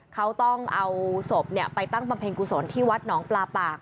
เขาต้องเอาศพเนี่ยไปตั้งประเภงกุศลที่วัดน้องปลาปาก